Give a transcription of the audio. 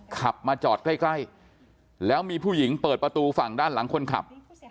ขับมาจอดใกล้แล้วมีผู้หญิงเปิดประตูฝั่งด้านหลังคนขับ